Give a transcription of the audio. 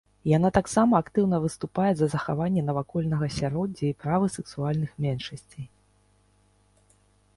Яна таксама актыўна выступае за захаванне навакольнага асяроддзя і правы сексуальных меншасцей.